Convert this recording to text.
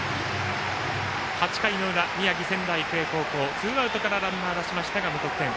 ８回の裏、宮城の仙台育英高校はツーアウトからランナーを出しましたが無得点。